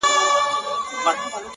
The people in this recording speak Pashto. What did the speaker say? ورمعلومي وې طالع د انسانانو؛